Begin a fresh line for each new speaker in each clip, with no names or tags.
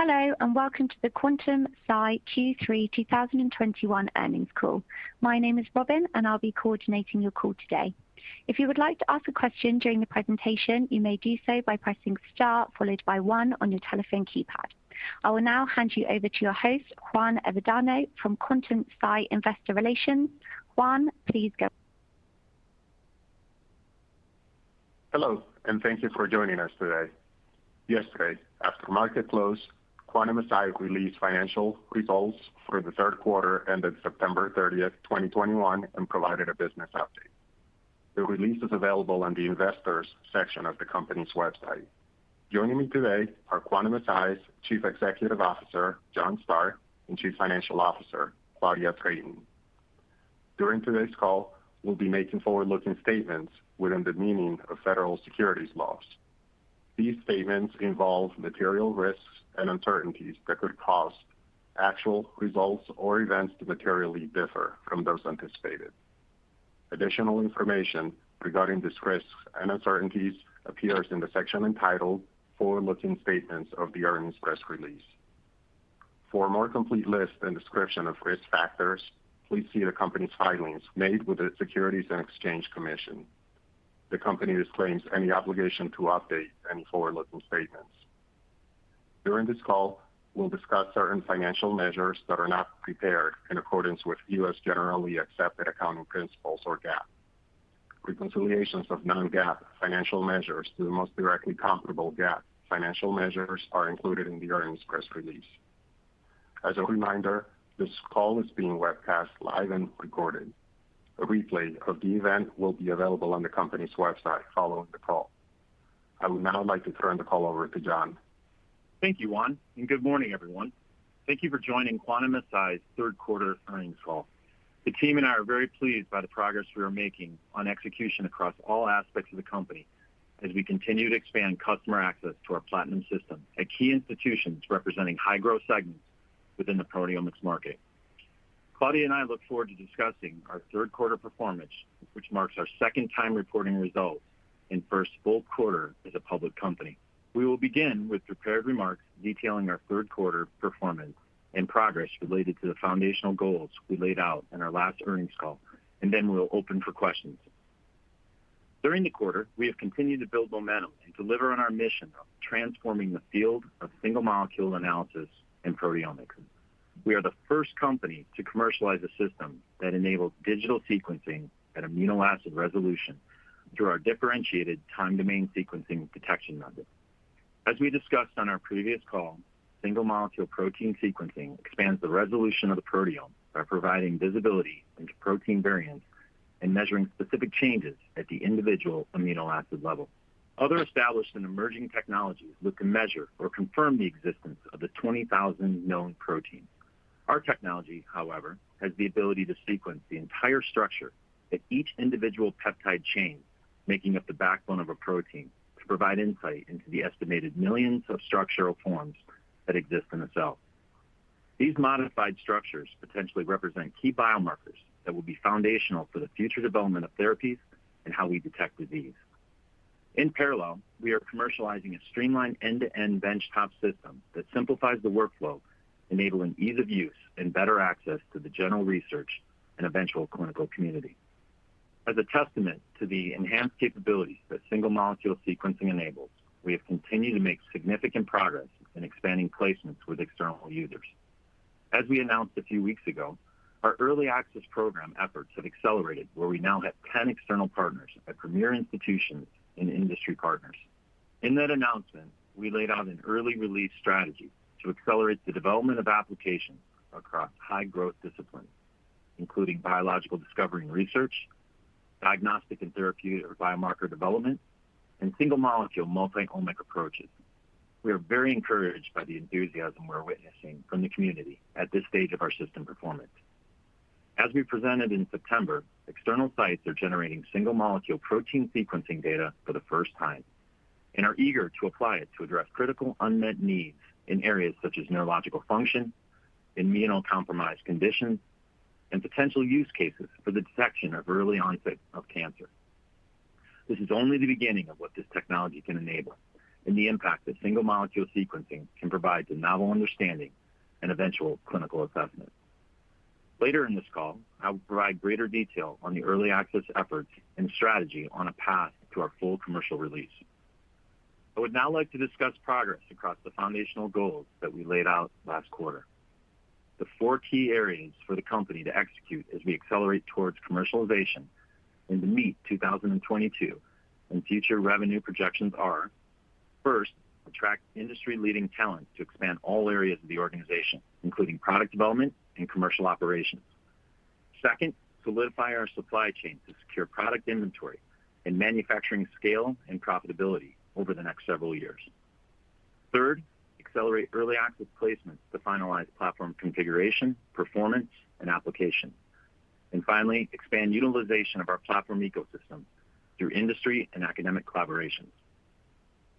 Hello, and welcome to the Quantum-Si Q3 2021 earnings call. My name is Robin, and I'll be coordinating your call today. If you would like to ask a question during the presentation, you may do so by pressing Star followed by one on your telephone keypad. I will now hand you over to your host, Juan Avendano from Quantum-Si Investor Relations. Juan, please go.
Hello, and thank you for joining us today. Yesterday, after market close, Quantum-Si released financial results for the third quarter ended September 30th, 2021, and provided a business update. The release is available on the investors section of the company's website. Joining me today are Quantum-Si's Chief Executive Officer, John Stark, and Chief Financial Officer, Claudia Drayton. During today's call, we'll be making forward-looking statements within the meaning of federal securities laws. These statements involve material risks and uncertainties that could cause actual results or events to materially differ from those anticipated. Additional information regarding these risks and uncertainties appears in the section entitled Forward-Looking Statements of the earnings press release. For a more complete list and description of risk factors, please see the company's filings made with the Securities and Exchange Commission. The company disclaims any obligation to update any forward-looking statements. During this call, we'll discuss certain financial measures that are not prepared in accordance with U.S. generally accepted accounting principles or GAAP. Reconciliations of non-GAAP financial measures to the most directly comparable GAAP financial measures are included in the earnings press release. As a reminder, this call is being webcast live and recorded. A replay of the event will be available on the company's website following the call. I would now like to turn the call over to John.
Thank you, Juan, and good morning, everyone. Thank you for joining Quantum-Si's third quarter earnings call. The team and I are very pleased by the progress we are making on execution across all aspects of the company as we continue to expand customer access to our Platinum system at key institutions representing high-growth segments within the proteomics market. Claudia and I look forward to discussing our third quarter performance, which marks our second time reporting results and first full quarter as a public company. We will begin with prepared remarks detailing our third quarter performance and progress related to the foundational goals we laid out in our last earnings call, and then we'll open for questions. During the quarter, we have continued to build momentum and deliver on our mission of transforming the field of single-molecule analysis and proteomics. We are the first company to commercialize a system that enables digital sequencing at amino acid resolution through our differentiated Time Domain Sequencing detection method. As we discussed on our previous call, single-molecule protein sequencing expands the resolution of the proteome by providing visibility into protein variants and measuring specific changes at the individual amino acid level. Other established and emerging technologies look to measure or confirm the existence of the 20,000 known proteins. Our technology, however, has the ability to sequence the entire structure of each individual peptide chain making up the backbone of a protein to provide insight into the estimated millions of structural forms that exist in a cell. These modified structures potentially represent key biomarkers that will be foundational for the future development of therapies and how we detect disease. In parallel, we are commercializing a streamlined end-to-end benchtop system that simplifies the workflow, enabling ease of use and better access to the general research and eventual clinical community. As a testament to the enhanced capabilities that single-molecule sequencing enables, we have continued to make significant progress in expanding placements with external users. As we announced a few weeks ago, our early access program efforts have accelerated, where we now have 10 external partners at premier institutions and industry partners. In that announcement, we laid out an early release strategy to accelerate the development of applications across high-growth disciplines, including biological discovery and research, diagnostic and therapeutic or biomarker development, and single-molecule multi-omics approaches. We are very encouraged by the enthusiasm we're witnessing from the community at this stage of our system performance. As we presented in September, external sites are generating single-molecule protein sequencing data for the first time and are eager to apply it to address critical unmet needs in areas such as neurological function, immunocompromised conditions, and potential use cases for the detection of early onset of cancer. This is only the beginning of what this technology can enable and the impact that single-molecule sequencing can provide to novel understanding and eventual clinical assessment. Later in this call, I will provide greater detail on the early access efforts and strategy on a path to our full commercial release. I would now like to discuss progress across the foundational goals that we laid out last quarter. The four key areas for the company to execute as we accelerate towards commercialization and to meet 2022 and future revenue projections are, first, attract industry-leading talent to expand all areas of the organization, including product development and commercial operations. Second, solidify our supply chain to secure product inventory and manufacturing scale and profitability over the next several years. Third, accelerate early access placements to finalize platform configuration, performance, and application. Finally, expand utilization of our platform ecosystem through industry and academic collaborations.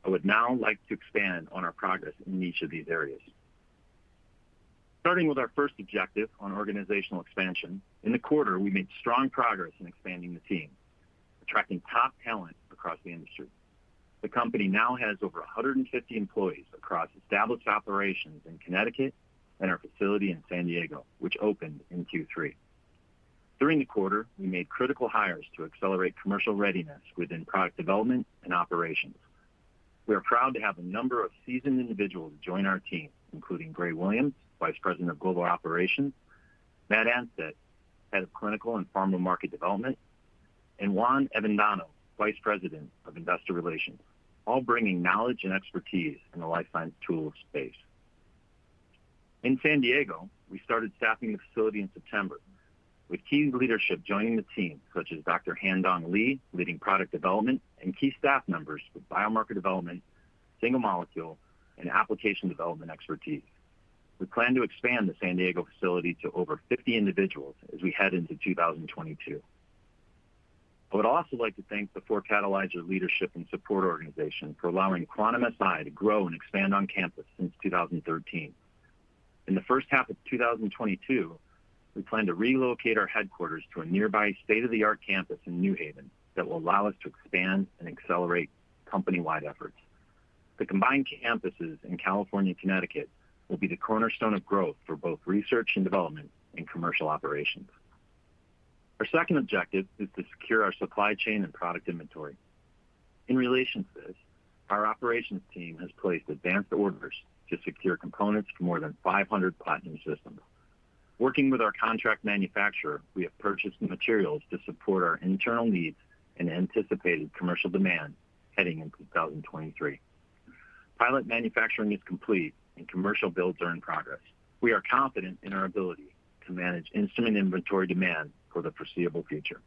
I would now like to expand on our progress in each of these areas. Starting with our first objective on organizational expansion, in the quarter, we made strong progress in expanding the team, attracting top talent across the industry. The company now has over 150 employees across established operations in Connecticut and our facility in San Diego, which opened in Q3. During the quarter, we made critical hires to accelerate commercial readiness within product development and operations. We are proud to have a number of seasoned individuals join our team, including Gray Williams, Vice President of Global Operations, Matt Ansett, Head of Clinical and Pharma Market Development, and Juan Avendano, Vice President of Investor Relations, all bringing knowledge and expertise in the life science tools space. In San Diego, we started staffing the facility in September, with key leadership joining the team, such as Dr. Handong Li, leading product development, and key staff members with biomarker development, single molecule, and application development expertise. We plan to expand the San Diego facility to over 50 individuals as we head into 2022. I would also like to thank the 4Catalyzer leadership and support organization for allowing Quantum-Si to grow and expand on campus since 2013. In the first half of 2022, we plan to relocate our headquarters to a nearby state-of-the-art campus in New Haven that will allow us to expand and accelerate company-wide efforts. The combined campuses in California and Connecticut will be the cornerstone of growth for both research and development and commercial operations. Our second objective is to secure our supply chain and product inventory. In relation to this, our operations team has placed advanced orders to secure components for more than 500 Platinum systems. Working with our contract manufacturer, we have purchased the materials to support our internal needs and anticipated commercial demand heading into 2023. Pilot manufacturing is complete, and commercial builds are in progress. We are confident in our ability to manage instrument inventory demand for the foreseeable future.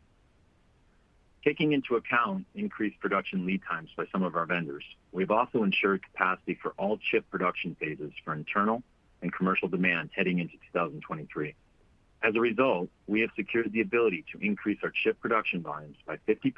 Taking into account increased production lead times by some of our vendors, we've also ensured capacity for all chip production phases for internal and commercial demand heading into 2023. As a result, we have secured the ability to increase our chip production volumes by 50%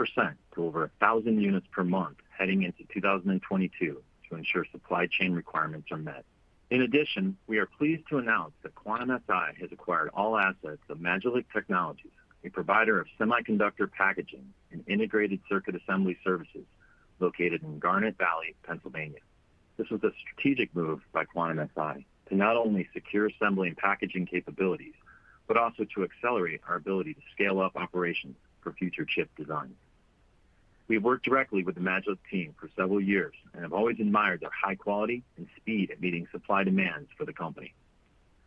to over 1,000 units per month heading into 2022 to ensure supply chain requirements are met. In addition, we are pleased to announce that Quantum-Si has acquired all assets of Majelac Technologies, a provider of semiconductor packaging and integrated circuit assembly services located in Garnet Valley, Pennsylvania. This was a strategic move by Quantum-Si to not only secure assembly and packaging capabilities, but also to accelerate our ability to scale up operations for future chip designs. We have worked directly with the Majelac team for several years and have always admired their high quality and speed at meeting supply demands for the company.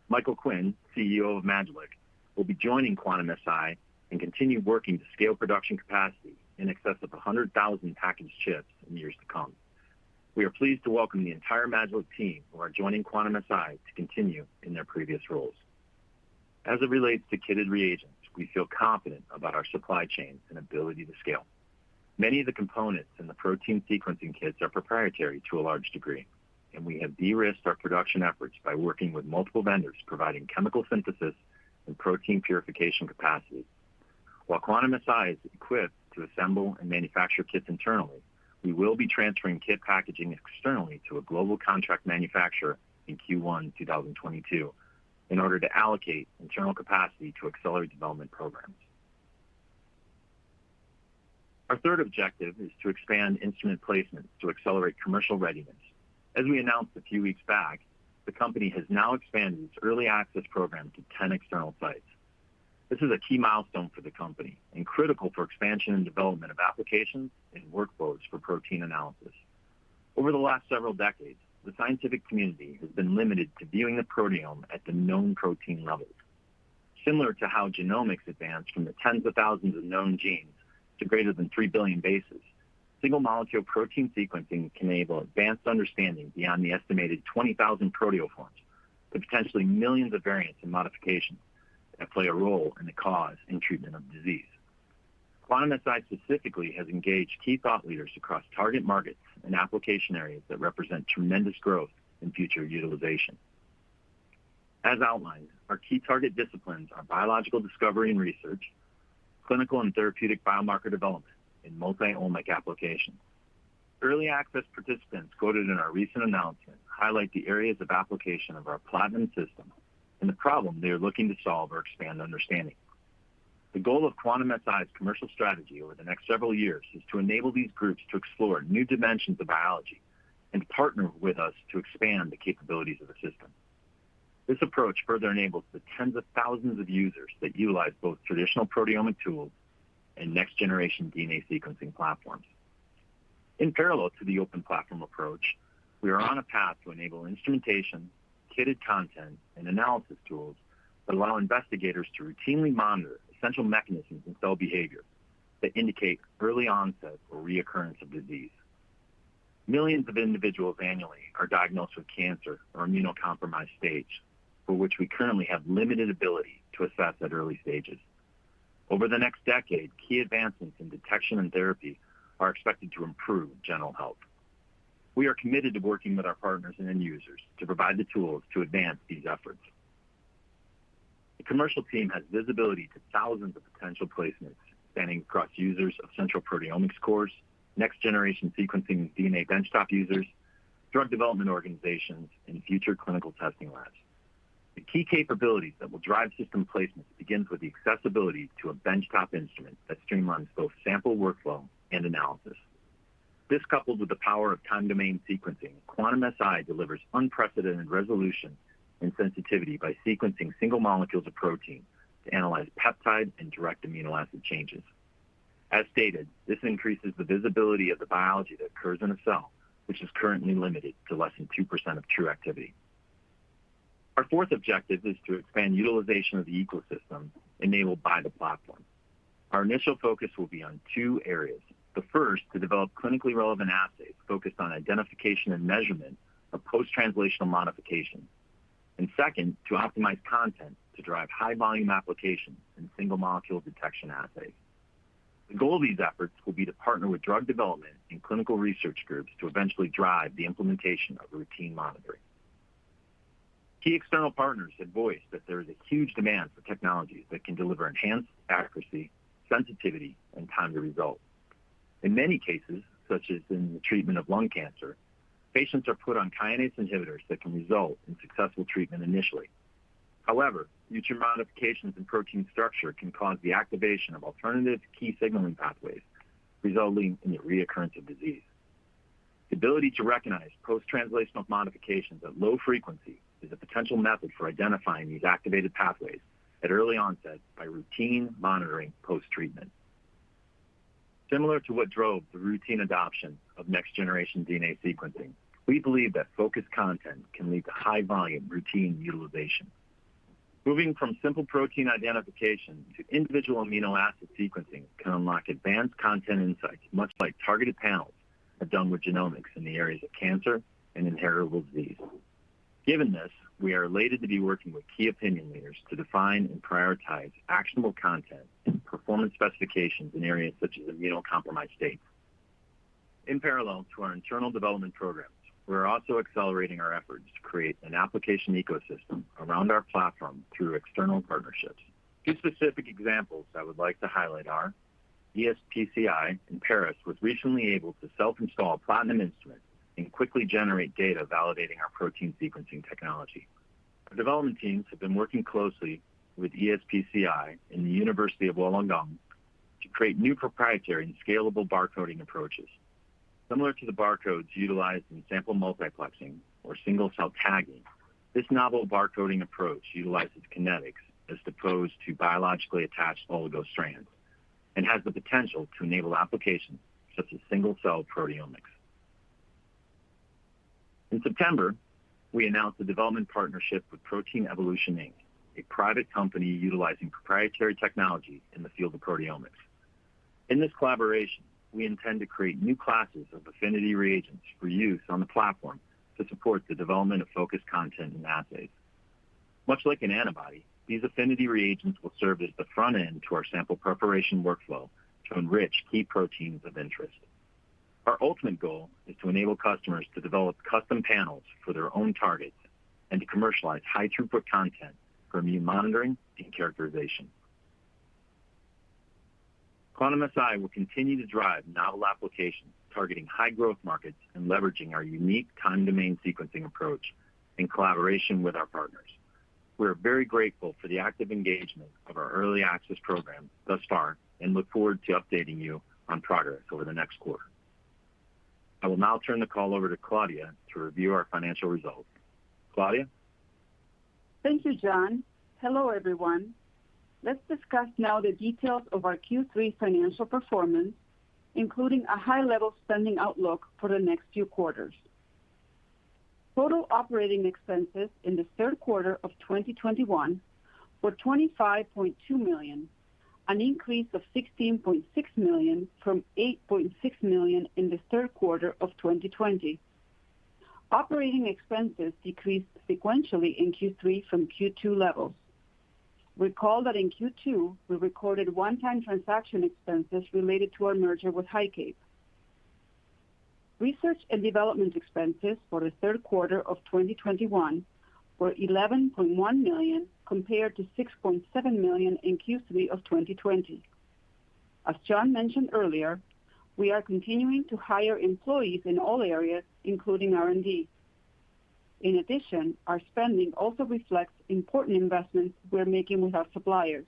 Michael Quinn, CEO of Majelac, will be joining Quantum-Si and continue working to scale production capacity in excess of 100,000 packaged chips in years to come. We are pleased to welcome the entire Majelac team who are joining Quantum-Si to continue in their previous roles. As it relates to kitted reagents, we feel confident about our supply chain and ability to scale. Many of the components in the protein sequencing kits are proprietary to a large degree, and we have de-risked our production efforts by working with multiple vendors providing chemical synthesis and protein purification capacity. While Quantum-Si is equipped to assemble and manufacture kits internally, we will be transferring kit packaging externally to a global contract manufacturer in Q1 2022 in order to allocate internal capacity to accelerate development programs. Our third objective is to expand instrument placements to accelerate commercial readiness. As we announced a few weeks back, the company has now expanded its early access program to 10 external sites. This is a key milestone for the company and critical for expansion and development of applications and workflows for protein analysis. Over the last several decades, the scientific community has been limited to viewing the proteome at the known protein levels. Similar to how genomics advanced from the tens of thousands of known genes to greater than 3 billion bases, single-molecule protein sequencing can enable advanced understanding beyond the estimated 20,000 proteoforms to potentially millions of variants and modifications that play a role in the cause and treatment of disease. Quantum-Si specifically has engaged key thought leaders across target markets and application areas that represent tremendous growth in future utilization. As outlined, our key target disciplines are biological discovery and research, clinical and therapeutic biomarker development, and multi-omic applications. Early access participants quoted in our recent announcement highlight the areas of application of our Platinum system and the problem they are looking to solve or expand understanding. The goal of Quantum-Si's commercial strategy over the next several years is to enable these groups to explore new dimensions of biology and partner with us to expand the capabilities of the system. This approach further enables the tens of thousands of users that utilize both traditional proteomic tools and next-generation DNA sequencing platforms. In parallel to the open platform approach, we are on a path to enable instrumentation, kitted content, and analysis tools that allow investigators to routinely monitor essential mechanisms in cell behavior that indicate early onset or reoccurrence of disease. Millions of individuals annually are diagnosed with cancer or immunocompromised stage, for which we currently have limited ability to assess at early stages. Over the next decade, key advancements in detection and therapy are expected to improve general health. We are committed to working with our partners and end users to provide the tools to advance these efforts. The commercial team has visibility to thousands of potential placements spanning across users of central proteomics cores, next-generation sequencing and DNA bench top users, drug development organizations, and future clinical testing labs. The key capabilities that will drive system placements begins with the accessibility to a bench top instrument that streamlines both sample workflow and analysis. This, coupled with the power of Time Domain Sequencing, Quantum-Si delivers unprecedented resolution and sensitivity by sequencing single molecules of protein to analyze peptides and direct amino acid changes. As stated, this increases the visibility of the biology that occurs in a cell, which is currently limited to less than 2% of true activity. Our fourth objective is to expand utilization of the ecosystem enabled by the platform. Our initial focus will be on two areas. The first, to develop clinically relevant assays focused on identification and measurement of post-translational modifications. Second, to optimize content to drive high volume applications in single molecule detection assays. The goal of these efforts will be to partner with drug development and clinical research groups to eventually drive the implementation of routine monitoring. Key external partners have voiced that there is a huge demand for technologies that can deliver enhanced accuracy, sensitivity, and time to result. In many cases, such as in the treatment of lung cancer, patients are put on kinase inhibitors that can result in successful treatment initially. However, future modifications in protein structure can cause the activation of alternative key signaling pathways, resulting in the reoccurrence of disease. The ability to recognize post-translational modifications at low frequency is a potential method for identifying these activated pathways at early onset by routine monitoring post-treatment. Similar to what drove the routine adoption of next-generation DNA sequencing, we believe that focused content can lead to high volume routine utilization. Moving from simple protein identification to individual amino acid sequencing can unlock advanced content insights, much like targeted panels have done with genomics in the areas of cancer and inheritable disease. Given this, we are elated to be working with key opinion leaders to define and prioritize actionable content and performance specifications in areas such as immunocompromised states. In parallel to our internal development programs, we are also accelerating our efforts to create an application ecosystem around our platform through external partnerships. Two specific examples I would like to highlight are ESPCI in Paris was recently able to self-install a Platinum instrument and quickly generate data validating our protein sequencing technology. Our development teams have been working closely with ESPCI and the University of Wollongong to create new proprietary and scalable barcoding approaches. Similar to the barcodes utilized in sample multiplexing or single-cell tagging, this novel barcoding approach utilizes kinetics as opposed to biologically attached oligo strands and has the potential to enable applications such as single-cell proteomics. In September, we announced a development partnership with Protein Evolution, Inc, a private company utilizing proprietary technology in the field of proteomics. In this collaboration, we intend to create new classes of affinity reagents for use on the platform to support the development of focused content and assays. Much like an antibody, these affinity reagents will serve as the front end to our sample preparation workflow to enrich key proteins of interest. Our ultimate goal is to enable customers to develop custom panels for their own targets and to commercialize high throughput content for immune monitoring and characterization. Quantum-Si will continue to drive novel applications targeting high growth markets and leveraging our unique Time-Domain Sequencing approach in collaboration with our partners. We are very grateful for the active engagement of our early access program thus far, and look forward to updating you on progress over the next quarter. I will now turn the call over to Claudia to review our financial results. Claudia?
Thank you, John. Hello, everyone. Let's discuss now the details of our Q3 financial performance, including a high-level spending outlook for the next few quarters. Total operating expenses in the third quarter of 2021 were $25.2 million, an increase of $16.6 million from $8.6 million in the third quarter of 2020. Operating expenses decreased sequentially in Q3 from Q2 levels. Recall that in Q2, we recorded one-time transaction expenses related to our merger with HighCape. Research and development expenses for the third quarter of 2021 were $11.1 million, compared to $6.7 million in Q3 of 2020. As John mentioned earlier, we are continuing to hire employees in all areas, including R&D. In addition, our spending also reflects important investments we're making with our suppliers.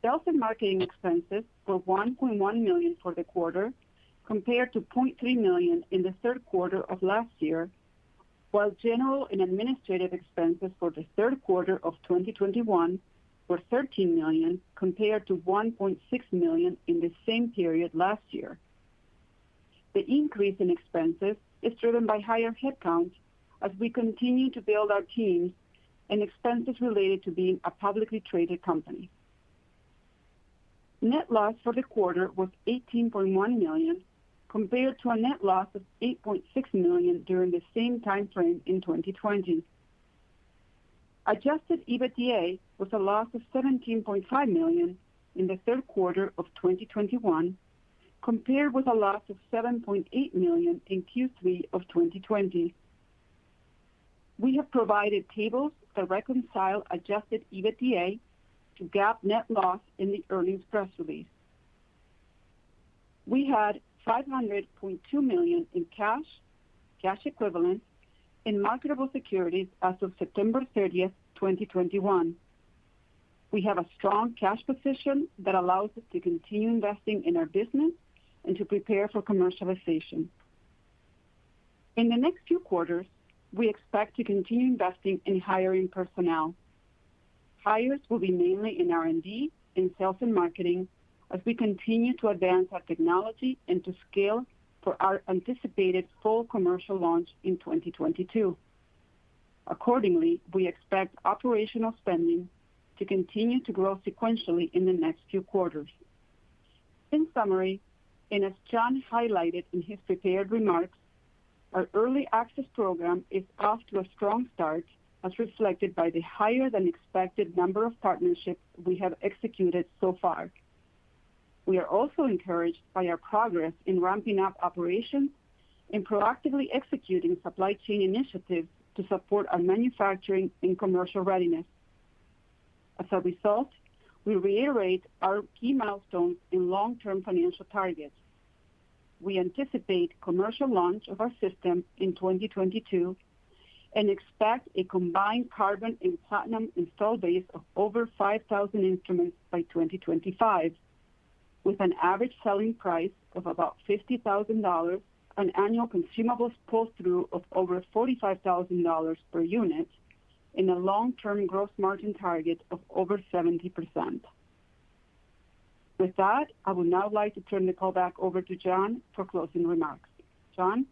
Sales and marketing expenses were $1.1 million for the quarter, compared to $0.3 million in the third quarter of last year, while general and administrative expenses for the third quarter of 2021 were $13 million, compared to $1.6 million in the same period last year. The increase in expenses is driven by higher headcount as we continue to build our teams and expenses related to being a publicly traded company. Net loss for the quarter was $18.1 million, compared to a net loss of $8.6 million during the same time frame in 2020. Adjusted EBITDA was a loss of $17.5 million in the third quarter of 2021 compared with a loss of $7.8 million in Q3 of 2020. We have provided tables that reconcile adjusted EBITDA to GAAP net loss in the earnings press release. We had $500.2 million in cash equivalents, and marketable securities as of September 30th, 2021. We have a strong cash position that allows us to continue investing in our business and to prepare for commercialization. In the next few quarters, we expect to continue investing in hiring personnel. Hires will be mainly in R&D, in sales and marketing as we continue to advance our technology and to scale for our anticipated full commercial launch in 2022. Accordingly, we expect operational spending to continue to grow sequentially in the next few quarters. In summary, as John highlighted in his prepared remarks, our early access program is off to a strong start as reflected by the higher than expected number of partnerships we have executed so far. We are also encouraged by our progress in ramping up operations and proactively executing supply chain initiatives to support our manufacturing and commercial readiness. As a result, we reiterate our key milestones and long-term financial targets. We anticipate commercial launch of our system in 2022 and expect a combined Carbon and Platinum install base of over 5,000 instruments by 2025, with an average selling price of about $50,000, an annual consumables pull-through of over $45,000 per unit, and a long-term gross margin target of over 70%. With that, I would now like to turn the call back over to John for closing remarks. John?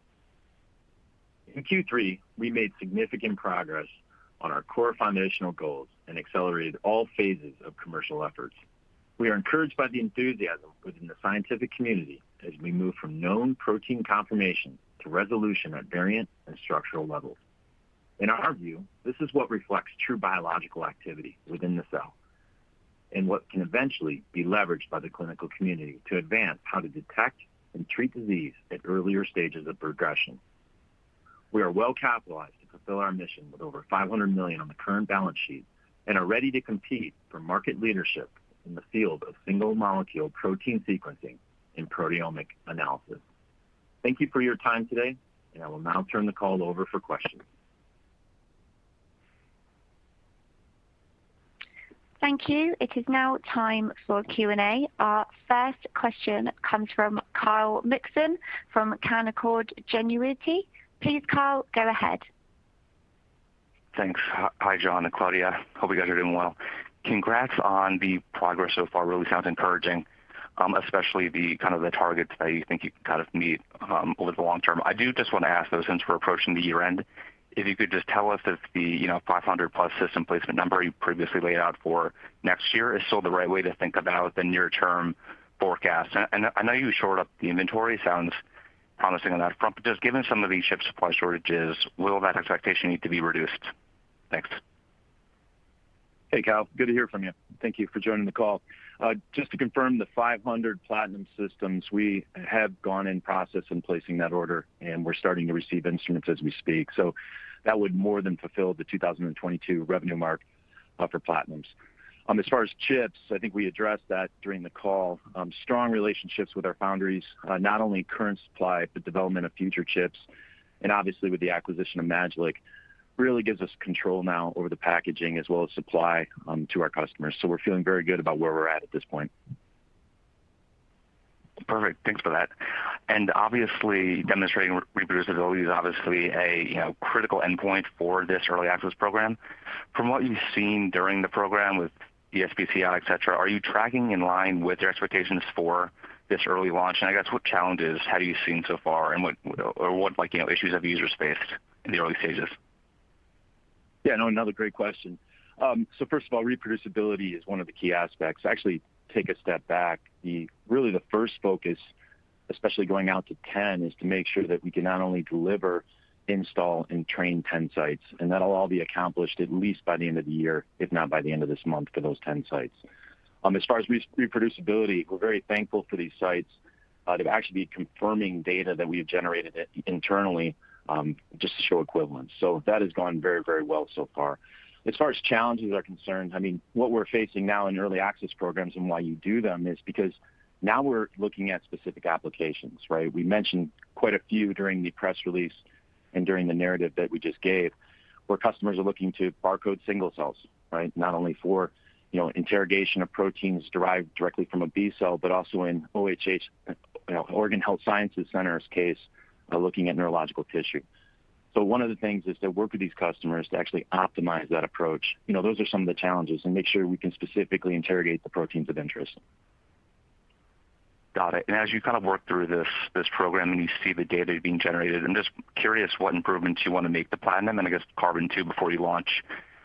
In Q3, we made significant progress on our core foundational goals and accelerated all phases of commercial efforts. We are encouraged by the enthusiasm within the scientific community as we move from known protein confirmation to resolution at variant and structural levels. In our view, this is what reflects true biological activity within the cell and what can eventually be leveraged by the clinical community to advance how to detect and treat disease at earlier stages of progression. We are well-capitalized to fulfill our mission with over $500 million on the current balance sheet and are ready to compete for market leadership in the field of single molecule protein sequencing and proteomic analysis. Thank you for your time today, and I will now turn the call over for questions.
Thank you. It is now time for Q&A. Our first question comes from Kyle Mikson from Canaccord Genuity. Please, Kyle, go ahead.
Thanks. Hi, John and Claudia. Hope you guys are doing well. Congrats on the progress so far. Really sounds encouraging, especially the, kind of the targets that you think you can kind of meet, over the long term. I do just want to ask, though, since we're approaching the year-end, if you could just tell us if the, you know, 500+ system placement number you previously laid out for next year is still the right way to think about the near term forecast. And I know you shored up the inventory, sounds promising on that front, but just given some of these chip supply shortages, will that expectation need to be reduced? Thanks.
Hey, Kyle. Good to hear from you. Thank you for joining the call. Just to confirm the 500 Platinum systems, we have gone in process in placing that order, and we're starting to receive instruments as we speak. That would more than fulfill the 2022 revenue mark for Platinums. As far as chips, I think we addressed that during the call. Strong relationships with our foundries, not only current supply, but development of future chips, and obviously with the acquisition of Majelac, really gives us control now over the packaging as well as supply to our customers. We're feeling very good about where we're at this point.
Perfect. Thanks for that. Obviously demonstrating reproducibility is obviously a, you know, critical endpoint for this early access program. From what you've seen during the program with ESPCI, et cetera, are you tracking in line with your expectations for this early launch? I guess what challenges have you seen so far and what, like, you know, issues have users faced in the early stages?
Yeah, no, another great question. So first of all, reproducibility is one of the key aspects. Actually, take a step back. Really the first focus, especially going out to 10, is to make sure that we can not only deliver, install, and train 10 sites, and that'll all be accomplished at least by the end of the year, if not by the end of this month for those 10 sites. As far as reproducibility, we're very thankful for these sites to actually be confirming data that we have generated internally just to show equivalence. So that has gone very, very well so far. As far as challenges are concerned, I mean, what we're facing now in early access programs and why you do them is because now we're looking at specific applications, right? We mentioned quite a few during the press release and during the narrative that we just gave, where customers are looking to barcode single cells, right? Not only for, you know, interrogation of proteins derived directly from a B cell, but also in OHSU, you know, Oregon Health & Science University's case, looking at neurological tissue. One of the things is to work with these customers to actually optimize that approach. You know, those are some of the challenges, and make sure we can specifically interrogate the proteins of interest.
Got it. As you kind of work through this program and you see the data being generated, I'm just curious what improvements you want to make to Platinum and I guess Carbon too before you launch.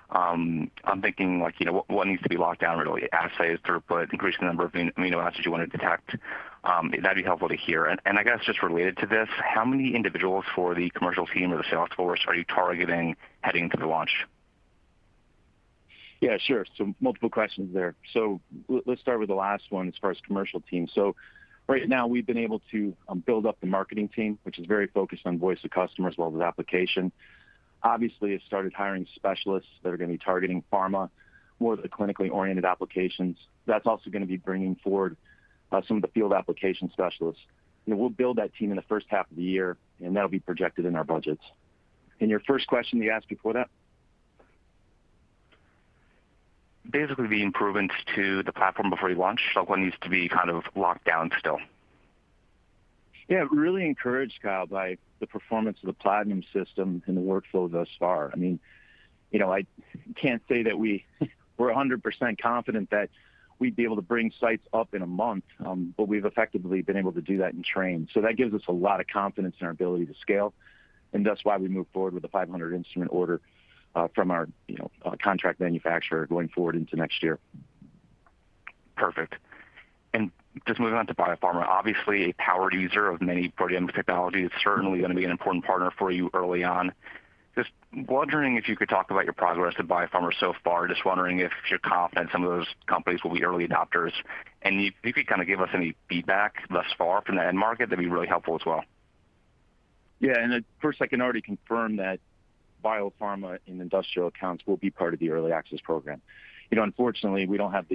I'm thinking like, you know, what needs to be locked down really? Assays, throughput, increase the number of amino acids you want to detect? That'd be helpful to hear. I guess just related to this, how many individuals for the commercial team or the sales force are you targeting heading into the launch?
Yeah, sure. Multiple questions there. Let's start with the last one as far as commercial team. Right now we've been able to build up the marketing team, which is very focused on voice of customer as well as application. Obviously, it started hiring specialists that are gonna be targeting pharma more the clinically oriented applications. That's also gonna be bringing forward some of the field application specialists. You know, we'll build that team in the first half of the year, and that'll be projected in our budgets. Your first question you asked before that?
Basically, the improvements to the platform before you launch, like what needs to be kind of locked down still?
Yeah. Really encouraged, Kyle, by the performance of the Platinum system and the workflow thus far. I mean, you know, I can't say that we're 100% confident that we'd be able to bring sites up in a month, but we've effectively been able to do that in training. That gives us a lot of confidence in our ability to scale, and that's why we moved forward with the 500 instrument order from our, you know, contract manufacturer going forward into next year.
Perfect. Just moving on to biopharma. Obviously, a power user of many proteomic technologies, certainly gonna be an important partner for you early on. Just wondering if you could talk about your progress with biopharma so far. Just wondering if you're confident some of those companies will be early adopters. If you could kind of give us any feedback thus far from the end market, that'd be really helpful as well.
Yeah. First, I can already confirm that biopharma and industrial accounts will be part of the early access program. You know, unfortunately, we don't have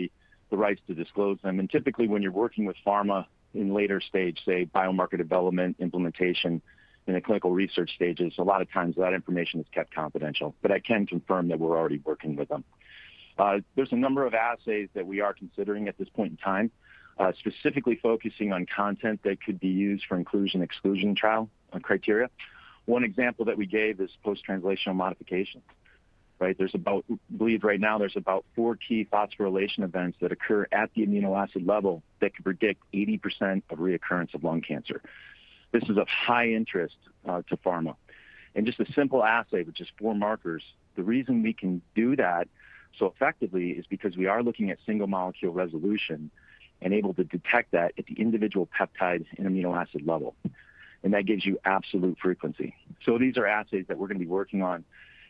the rights to disclose them, and typically, when you're working with pharma in later stage, say, biomarker development, implementation in the clinical research stages, a lot of times that information is kept confidential. I can confirm that we're already working with them. There's a number of assays that we are considering at this point in time, specifically focusing on content that could be used for inclusion, exclusion trial criteria. One example that we gave is post-translational modification, right? I believe right now there's about four key phosphorylation events that occur at the amino acid level that can predict 80% of recurrence of lung cancer. This is of high interest to pharma. Just a simple assay, which is four markers. The reason we can do that so effectively is because we are looking at single-molecule resolution and able to detect that at the individual peptides and amino acid level, and that gives you absolute frequency. These are assays that we're gonna be working on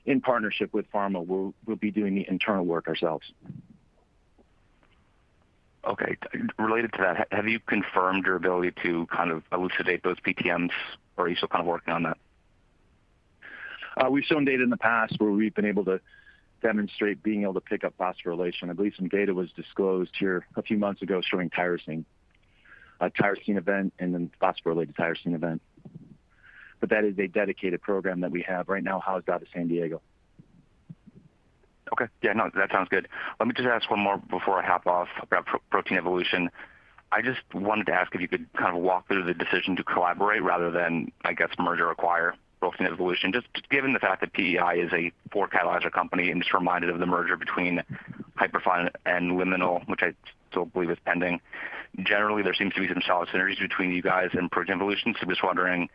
in partnership with pharma. We'll be doing the internal work ourselves.
Okay. Related to that, have you confirmed your ability to kind of elucidate those PTMs, or are you still kind of working on that?
We've shown data in the past where we've been able to demonstrate being able to pick up phosphorylation. I believe some data was disclosed here a few months ago showing tyrosine, a tyrosine event and then phosphorylated tyrosine event. That is a dedicated program that we have right now housed out of San Diego.
Okay. Yeah, no, that sounds good. Let me just ask one more before I hop off about Protein Evolution. I just wanted to ask if you could kind of walk through the decision to collaborate rather than, I guess, merge or acquire Protein Evolution, just given the fact that PEI is a 4Catalyzer company and just reminded of the merger between Hyperfine and Liminal, which I still believe is pending. Generally, there seems to be some solid synergies between you guys and Protein Evolution, so just wondering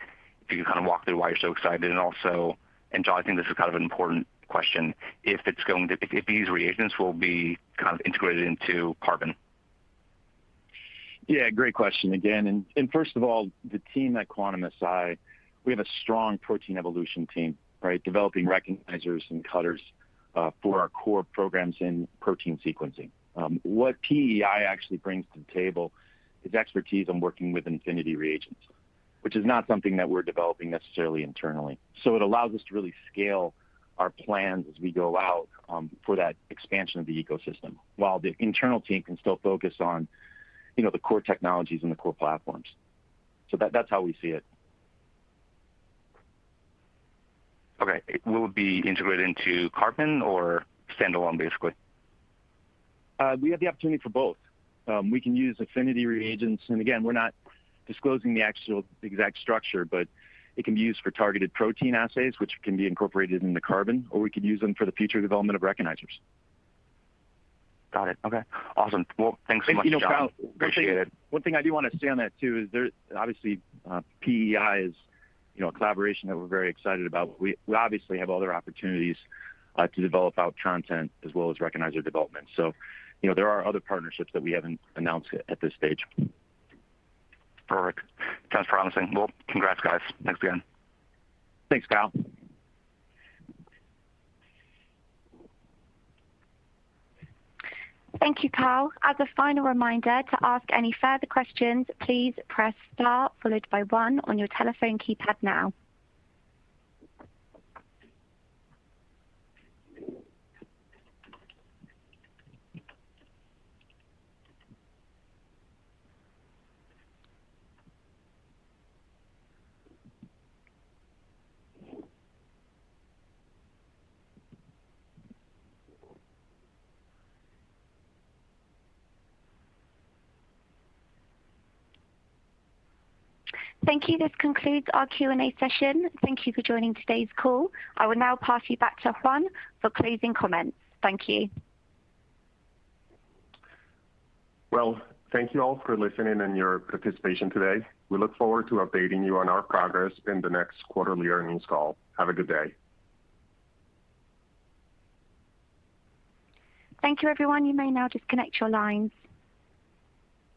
if you could kind of walk through why you're so excited. Also, John, I think this is kind of an important question, if these reagents will be kind of integrated into Carbon.
Yeah, great question again. First of all, the team at Quantum-Si, we have a strong Protein Evolution team, right? Developing recognizers and cutters for our core programs in protein sequencing. What PEI actually brings to the table is expertise on working with affinity reagents, which is not something that we're developing necessarily internally. It allows us to really scale our plans as we go out for that expansion of the ecosystem while the internal team can still focus on, you know, the core technologies and the core platforms. That, that's how we see it.
Okay. Will it be integrated into Carbon or standalone, basically?
We have the opportunity for both. We can use affinity reagents. Again, we're not disclosing the actual exact structure, but it can be used for targeted protein assays, which can be incorporated into Carbon, or we could use them for the future development of recognizers.
Got it. Okay. Awesome. Well, thanks so much, John. Appreciate it.
One thing I do want to say on that too is obviously PEI is, you know, a collaboration that we're very excited about. We obviously have other opportunities to develop out content as well as recognizer development. You know, there are other partnerships that we haven't announced at this stage.
Perfect. Sounds promising. Well, congrats, guys. Thanks again.
Thanks, Kyle.
Thank you, Kyle. As a final reminder to ask any further questions, please press star followed by one on your telephone keypad now. Thank you. This concludes our Q&A session. Thank you for joining today's call. I will now pass you back to Juan for closing comments. Thank you.
Well, thank you all for listening and your participation today. We look forward to updating you on our progress in the next quarterly earnings call. Have a good day.
Thank you, everyone. You may now disconnect your lines.